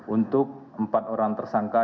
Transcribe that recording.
untuk empat orang tersangka